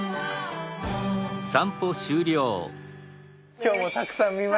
今日もたくさん見ましたね。